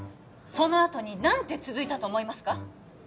そのあとに何て続いたと思いますか？